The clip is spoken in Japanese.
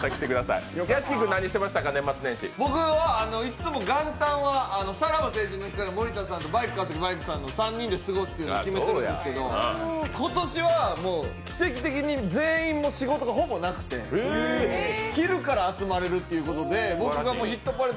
僕はいつも元旦はさらば青春の森田さんとバイク川崎バイクの３人で過ごすというのを決めているんですけど、今年は奇跡的に全員仕事がほぼなくて昼から集まれるということで僕が「ヒットパレード」